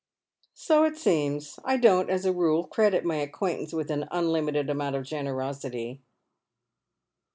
" So it seems. I don't, as a rule, credit my acquaintance with an unlimited amount of generosity."